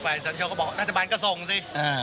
ฝ่ายสังเชษฐ์ก็บอกรัฐบาลก็ส่งสิ